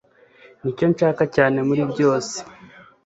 nicyo nshaka cyane muri byose